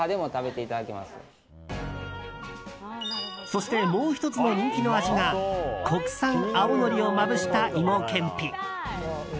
そして、もう１つの人気の味が国産青のりをまぶした芋けんぴ。